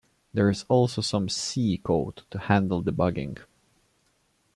There is also some C code to handle debugging.